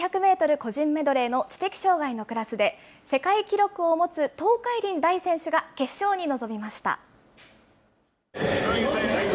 個人メドレーの知的障害のクラスで、世界記録を持つ東海林大選手が決勝に臨みました。